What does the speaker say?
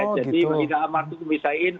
jadi bagi amartu misalnya